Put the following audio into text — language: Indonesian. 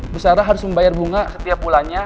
besara harus membayar bunga setiap bulannya